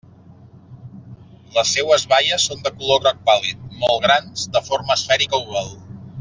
Les seues baies són de color groc pàl·lid, molt grans, de forma esfèrica oval.